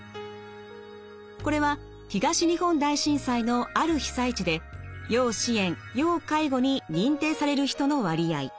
これは東日本大震災のある被災地で要支援・要介護に認定される人の割合。